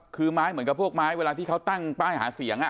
คือไม้เหมือนกับพวกไม้เวลาที่เขาตั้งป้ายหาเสียง